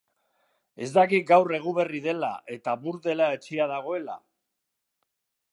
Ez dakik gaur Eguberri dela eta burdela hetsia dagoela?